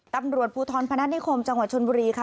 ตำรวจภูทรพนัฐนิคมจังหวัดชนบุรีค่ะ